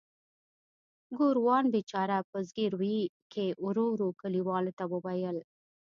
ګوروان بیچاره په زګیروي کې ورو ورو کلیوالو ته وویل.